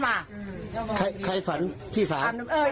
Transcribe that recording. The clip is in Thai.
ใครฝันพี่สาว